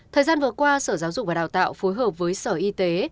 thời gian vừa qua sở giáo dục và đào tạo phối hợp với sở y tế